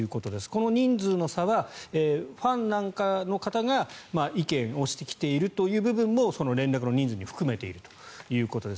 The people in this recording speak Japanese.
この人数の差はファンの方が意見をしてきているという部分もその連絡の人数に含めているということです。